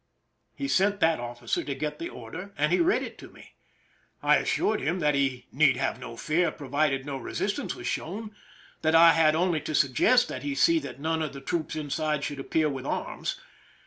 He sent that officer to get the order, and he read it to me. I assured him that he need have no fear provided no resistance were shown, that I had only to suggest that he see that none of the troops inside should appear with arms.